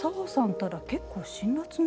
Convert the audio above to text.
ったら結構辛辣ね。